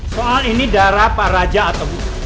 soal ini darah pak raja atau bu